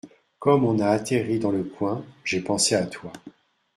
Comme on a atterri dans le coin, j’ai pensé à toi.